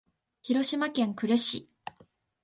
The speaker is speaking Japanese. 広島県呉市